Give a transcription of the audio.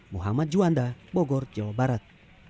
muhammad juanda bogor jawa barat